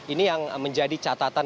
ini yang menjadi catatan